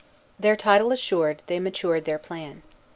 Their title assured, they matured their plan.